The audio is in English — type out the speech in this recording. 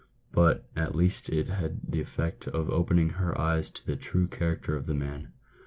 " But at least it had the effect of opening her eyes to the true character of the man."